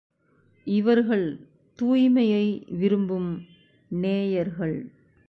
இவர்கள் தூய்மையை விரும்பும் நேயர்கள்.